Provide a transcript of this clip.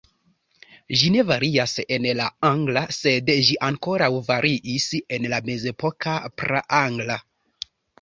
Ĝi ne varias en la angla, sed ĝi ankoraŭ variis en la mezepoka praangla.